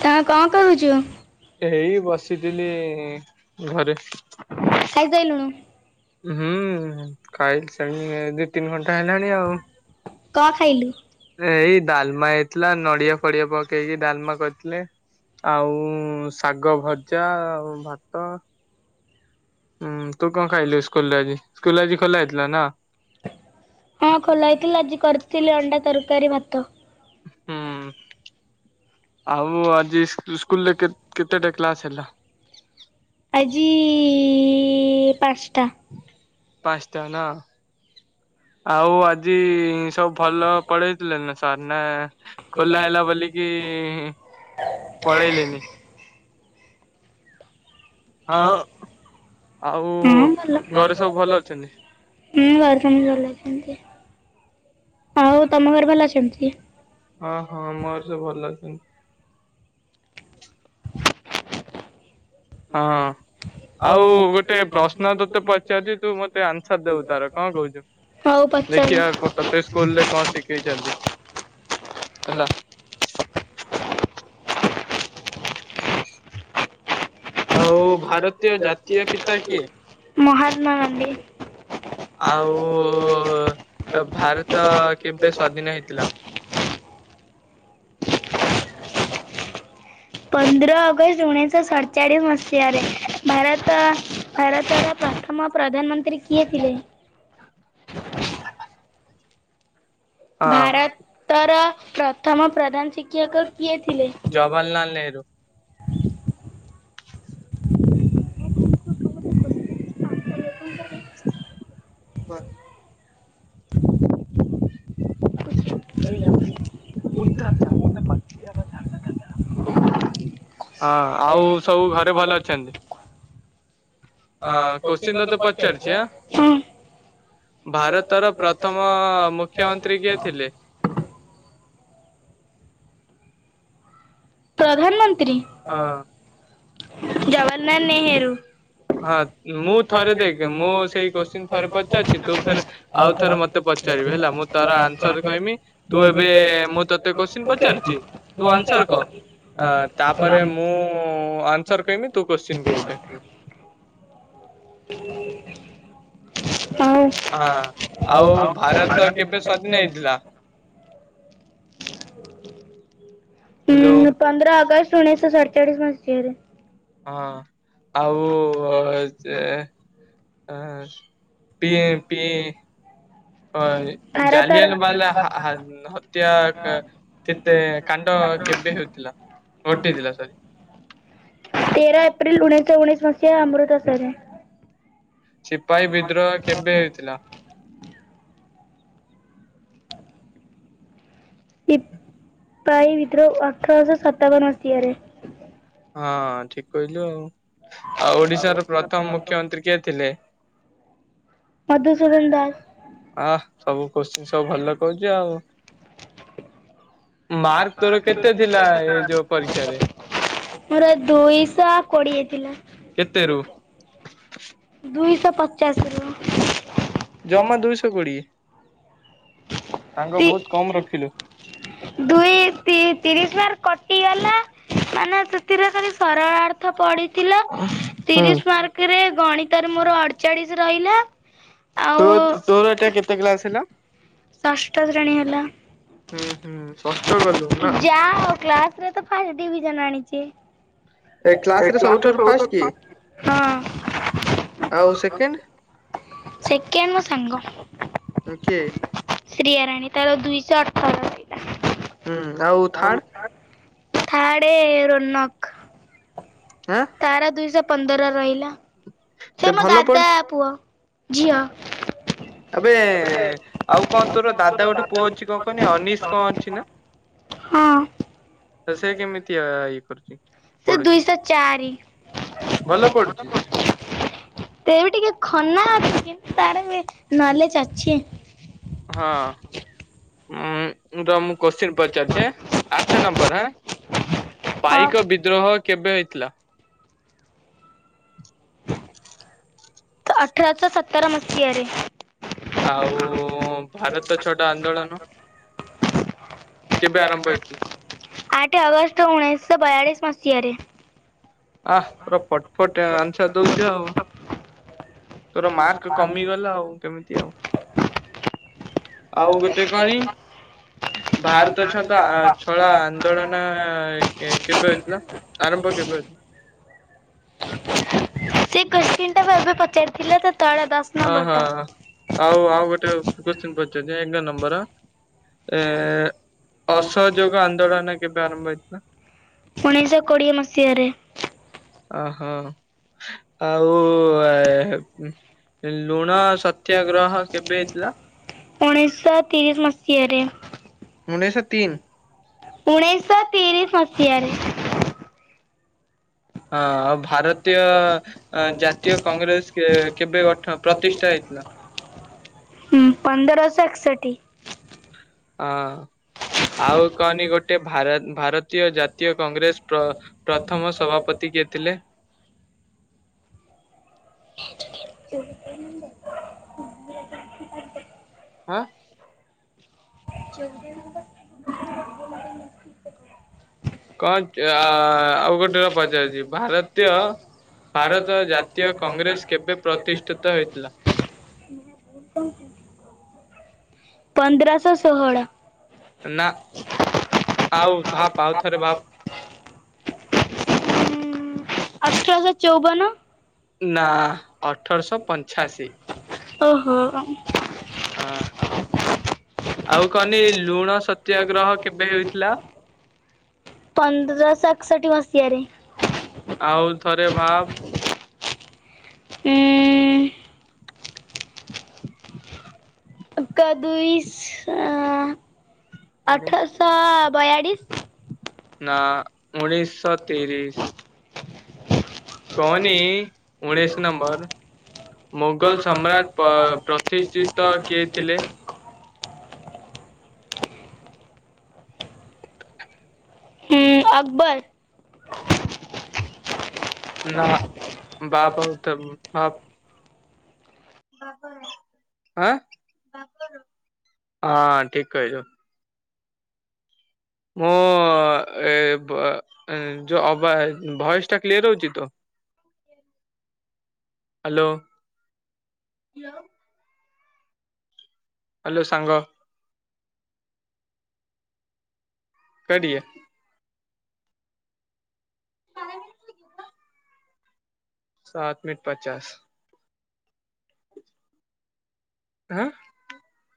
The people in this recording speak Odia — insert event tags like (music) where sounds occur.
ତମେ କଣ କରୁଛୁ? ଏଇ ବସିଥିଲି ଘରେ। ଖାଇ ସାଇଲୁଣୁ? ହୁଁ ଖାଇଲି ସେ ଦି ତିନି ଘଣ୍ଟା ହେଲାଣି ଆଉ। କଣ ଖାଇଲୁ? ଏଇ ଡାଲମା ହେଇଥିଲା, ନଡିଆ ଫଡିଆ ପକେଇକି ଡାଲମା କରି ଥିଲେ ଆଉ ଶାଗ ଭଜା, ଆଉ ଭାତ। ହୁଁ ତୁ କଣ ଖାଇଲୁ ସ୍କୁଲରେ ଆଜି, ସ୍କୁଲ ଆଜି ଖୋଲା ହେଇଥିଲା ନା। ହଁ ଖୋଲା ହେଇଥିଲା ଆଜି କରିଥିଲେ ଅଣ୍ଡା ତରକାରୀ, ଭାତ। ହୁଁ ଆଉ ଆଜି ସ୍କୁଲରେ କେ କେତେଟା କ୍ଲାସ୍ ହେଲା? ଆଜି ପାଞ୍ଚଟା। ପାଞ୍ଚଟା ନା। ଆଉ ଆଜି ସବୁ ଭଲ ପଢେଇଥିଲେ ନା ସାର୍ ନା? ଖୋଲା ହେଲା ବୋଲିକି ପଳେଇଲିନି। ହଁ ଆଉ ଭଲ। ଘରେ ସବୁ ଭଲ ଅଛନ୍ତି? ହଁ ଘରେ ତ ଭଲ ଅଛନ୍ତି, ଆଉ ତମ ଘରେ ଭଲ ଅଛନ୍ତି? ହଁ ହଁ ମୋର ସେ ଭଲ ଅଛନ୍ତି। ହଁ ଅ ଆଉ ଗୋଟେ ପ୍ରଶ୍ନ ତୋତେ ପଚାରୁଛି ତୁ ମତେ ଆନ୍ସର ଦବୁ ତାର କଣ କହୁଛୁ? ହଉ ପଚାରେ। ଦେଖିବା ତତେ ସ୍କୁଲ ରେ କଣ ଶିଖେଇଛନ୍ତି ହେଲା। ଆଉ ଭାରତୀୟ ଜାତୀୟ ପିତା କିଏ? ମହାତ୍ମା ଗାନ୍ଧୀ। ଆଉ ଭାରତ କେବେ ସ୍ଵାଧୀନ ହେଇଥିଲା? ପନ୍ଦର ଅଗଷ୍ଟ ଉଣେଇଶହ ସତଚାଳିଶ ମସିହାରେ ଭାରତ ଭାରତର ପ୍ରଥମ ପ୍ରଧାନମନ୍ତ୍ରୀ କିଏ ଥିଲେ? ହଁ ଭାରତର ପ୍ରଥମ ପ୍ରଧାନ ଶିକ୍ଷକ କିଏ ଥିଲେ? ଜବାହରଲାଲ ନେହେରୁ। (inaudible) (unintelligible) (unintelligible) ହଁ ଆଉ ସବୁ ଘରେ ଭଲ ଅଛନ୍ତି। ହଁ କୋଶ୍ଚିନ ତତେ ପଚାରୁଛି ଆଁ। ହଁ। ଭାରତର ପ୍ରଥମ ମୁଖ୍ୟମନ୍ତ୍ରୀ କିଏ ଥିଲେ? ପ୍ରଧାନମନ୍ତ୍ରୀ ଜବାଲନାନ ହଁ ନେହେରୁ। ହଁ ମୁଁ ଥରେ ଦେଖେ ହଁ ମୁଁ ଥରେ ହଉଚି ଦେଖେ ମୁଁ କୋଷ୍ଚିନ ସେଇ କୋଶ୍ଚିନ୍ ଥରେ (unintelligible) ପଚାରୁଛି ତୁ ଆଉ ଫେରେ ଥରେ ଆଉ ଥରେ ମତେ ତତେ ପଚାରିବୁ ପଚାରିବି ମୁଁ ତାର ହେଲା ଆନ୍ସର କହିମି (unintelligible) ତୁ ମୁଁ ଏବେ ତତେ କୋଶ୍ଚିନ୍ (unintelligible) ପଚାରୁଛି। ତୁ ଆନ୍ସର କହ (unintelligible) ଆ ତାପରେ ମୁଁ ଆନ୍ସର କହିମି ତୁ କୋଶ୍ଚିନ୍ କହି ଡାକବୁ। ହଉ। ହ ହଁ। ଆଉ୍ ଭାରତ ଆଉ କେବେ ସ୍ଵାଧୀନ ହେଇଥିଲା (inaudible) ହ୍ୟାଲୋ ହୁଁ ପନ୍ଦର ଅଗଷ୍ଟ ଉଣେଇଶଶହ ସଡଚାଳିଶ ମସିହାରେ। ହଁ ଆଉ ଯେ ଏ। ମ୍ପି ମ୍ପୀ। ଅ ଭାରତର ଜାଲିଆଲାବାଲା ହା ହା ହତ୍ୟା କା କେ ତେ କାଣ୍ଡ କେବେ ହେଉଥିଲା? ଘଟିଥିଲା ସରି। ତେର ଏପ୍ରିଲ ଉଣେଇଶହ ଉଣେଇଶ ମସିହା ଅମୃତସରରେ। ସିପାହୀ ବିଦ୍ରୋହ କେବେ ହେଇଥିଲା? ସିପାଇ ବିଦ୍ରୋହ ଅଠରଶହ ସତାବନ ମସିହାରେ। ହଁ ଠିକ କହିଲୁ ଆଉ। ଆଉ ଓଡିଶାର ପ୍ରଥମ ମୁଖ୍ୟମନ୍ତ୍ରୀ କିଏ ଥିଲେ? ମଧୁସୂଦନ ଦାସ। ହା ସବୁ କୋସ୍ଚୀନ୍ ସବୁ ଭଲ କହୁଚି ଆଉ। ମାର୍କ ତୋର କେତେ ଥିଲା ଏଇ ଯୋଉ ପରୀକ୍ଷରେ? ମୋର ଦୁଇଶହ କୋଡିଏ ଥିଲା। କେତେ ରୁ? ଦୁଇଶହ ପଚାଶରୁ। ଜମା ଦୁଇଶହ କୋଡିଏ। ସାଙ୍ଗ ତି। ବହୁତ କମ ରଖିଲୁ। ଦୁଇ ତି-ତିରିଶ ମାର୍କ କଟିଗଲା ମାନେ ତି ରେ ଖାଲି ସରଳାର୍ଥ ପଡିଥିଲା। ହୁଁ ତିରିଶ ମାର୍କ ରେ ଗଣିତରେ ମୋର ଅଡଚାଳିଶ ରହିଲା। ଆଉ ତୋ ତୋର ଏଇଟା କେତେ କ୍ଲାସ ହେଲା? ଷଷ୍ଠ ଶ୍ରେଣୀ ହେଲା ହୁଁ ହୁଁ ଷଷ୍ଠ ଗଲୁ ନା? ଯା ଆଉ କ୍ଲାସ ରେ ତ ଫାର୍ଷ୍ଟ ଡିଭିଜନ ଆଣିଛି। ଏ କ୍ଲାସ ହଁ। ରେ ସବୁଠାରୁ ଫାଷ୍ଟ କିଏ? ଆଉ ସେକେଣ୍ଡ ସେକେଣ୍ଡ ମୋ ସାଙ୍ଗ। କିଏ? ଶ୍ରୀୟା ରାଣୀ ତାର ଦୁଇଶ ଅଠର ହୁଁ ଆଉ ରହିଲା। ଥାର୍ଡ ଥାଡେ ରୋନକ। ଆ ତାର ଦୁଇଶ ପନ୍ଦର ରହିଲା। ସେ ମୋ ଭଲ ପଢ ଦାଦା ପୁଅ, ଝିଅ। ଆବେ ଆଉ କଣ ତୋର ଦାଦା ଗୋଟେ ପୁଅ ଅଛି କଣ କହନି ଅନିଶ କଣ ଅଛି ନା? ହଁ ତ ସେ କେମିତି ଅ ଏଇ କରୁଛି? ସେ ପଢୁଛି? ଦୁଇଶ ଚାରି। ଭଲ ପଢୁଛି ସେ ତେ ବି ଟିକେ ଖନା ଅଛି କିନ୍ତୁ ତାର ବି ନଲେଜ ଅଛି। ହଁ ଉଁ। ରହ ମୁଁ କୋଶ୍ଚିନ୍ ପଚାରୁଛି ଆଠ ନମ୍ବର ହାଁ ହଁ ପାଇକ ବି ବିଦ୍ରୋହ କେବେ ହେଇଥିଲା? ଅଠରଶ ସତର ମସିହା ରେ। ଆଉ ଭାରତ ଛାଡ ଆନ୍ଦୋଳନ। କେବେ ଆରମ୍ଭ ହେଇଥିଲା? ଆଠ ଅଗଷ୍ଟ ଉଣେଇଶହ ବୟାଳିଶ ମସିହାରେ। ଆ ତୋ ଫଟ ଫଟ ଆନ୍ସର ଦଉଛି ଆଉ। ତୋର ମାର୍କ କମିଗଲା ଆଉ କେମିତି ଆଉ। ଆଉ କେତେ କଣି ଭାରତ ଅ ତ ଛଳ ଆନ୍ଦୋଳନ କେବେ ହେଥିଲା। ଆରମ୍ଭ କେବେ ସେ କଶ୍ଚିନ୍ ଟା ଏବେ ପଚାରିଥିଲା ତ ତଳେ ଦଶ ଅହ ନମ୍ବର ଟା। ଆଉ ଆଉ ଗୋଟେ କୋଶ୍ଚି ପଚଛନ୍ତି ଏକ ନମ୍ବର। ଏ ଅସହଯୋଗ ଆନ୍ଦୋଳନ କେବେ ଆରମ୍ଭ ହେଇଥିଲା? ଉଣେଇଶହ କୋଡିଏ ମସିହାରେ। ଅହୋ ଆଉ ଲୁଣ ସତ୍ୟାଗ୍ରହ କେବେ ହେଇଥିଲା। ଉଣେଇଶହ ତିରିଶ ମସିହାରେ। ଉଣେଇଶହ ତିନି ଉଣେଇଶହ ତିରିଶ ମସିହାରେ। ହଁ ଆଉ ଭାରତୀୟ ଜାତୀୟ ଭାରତୀୟ ଜ କଂଗ୍ରେସ କେ କଂଗ୍ରେ କେବେ ଗଠ ପ୍ରତିଷ୍ଠା ପ୍ରତିଶୟ ହେଇଥିଲା? ହୁଁ ପନ୍ଦରଶହ ଏକଷଠି। ହଁ ଆଉ କହନି ଗୋଟେ ଭାର ଭାରତୀୟ ଜାତୀୟ କଂଗ୍ରେସ ପ୍ରଥମ ସଭାପତି କିଏ ଥିଲେ? (inaudible) ଆଁ ଚଉଦି ନମ୍ବର କଣ ଆଉ ଗୋଟେ ର ପଚାରିଛି ଭାରତୀୟ ଭାରତ ଜାତୀୟ କଂଗ୍ରେସ କେବେ ପ୍ରତିଷ୍ଠିତ ହେଇଥିଲା? ପନ୍ଦରଶହ ଷୋହଳ। ନା ଆଉ ଭପ ଆଉ ଥରେ ଭପ ଅଠରଶହ ଚଉବନ। ନା ଅଠରଶହ ପଞ୍ଚାଅଶୀ ଓହୋ। ହଁ ହଁ ଆଉ କହନି ଲୁଣ ସତ୍ୟାଗ୍ରହ କେବେ ହେଇଥିଲା? ପନ୍ଦରଶହ ଏକଷଠି ମସିହାରେ। ଆଉ ଥରେ ଭାବ। ଉଁ (inaudible) କଦୁଇସ୍ ଅଠରଶହ ବୟାଳିଶ। ନା ଉଣେଇଶିଶହ ତିରିଶ। କହନି ଉଣେଇଶ ନମ୍ବର। ମୋଗଲ ସମ୍ରାଟ ପ୍ରତିଷ୍ଠିତ କିଏ ଥିଲେ? ହୁଁ ଅକବର। ନା ବାପ ତ ବାପ ହଁ ହଁ ଠିକ କହିଲୁ। ମୁଁ ଏ- ବ- ଏ ଯୋଉବା ଭଏସ ଟା କ୍ଲିୟର ହଉଛି ତ। ହ୍ୟାଲୋ। ହ୍ୟାଲୋ ସାଙ୍ଗ। କଟି ସାତ ମିନିଟ୍ ପଚାଶ। ଆଁ